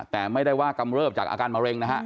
แต่ไม่ได้ว่ากำเริบจากอาการมะเร็งนะฮะ